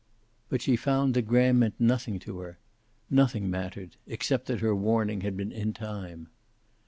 But she found that Graham meant nothing to her. Nothing mattered, except that her warning had been in time.